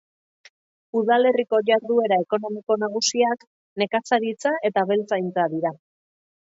Udalerriko jarduera ekonomiko nagusiak nekazaritza eta abeltzaintza dira.